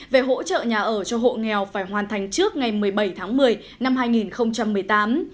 về hỗ trợ nhà ở cho hộ nghèo phải hoàn thành trước ngày một mươi bảy tháng một mươi năm hai nghìn một mươi tám